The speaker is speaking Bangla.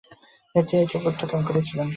তিনি তা প্রত্যাখ্যান করেছিলেন।